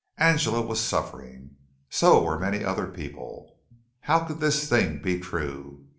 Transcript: Angela was suffering. So were many other people. How could this thing be true?